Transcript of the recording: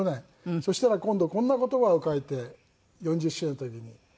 そしたら今度こんな言葉を書いて４０周年の時に。